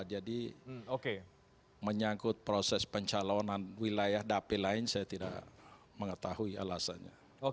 jadi menyangkut proses pencalonan wilayah dapi lain saya tidak mengetahui alasannya